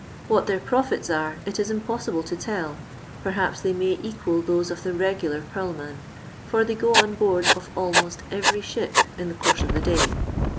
What their profits are it is impossible to tell, perhaps they may equal those of the regular purl man, for they go on board of almost every ship in the course of the day.